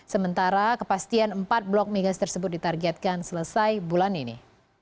sementara kepastian empat blok migas tersebut ditargetkan selesai bulan ini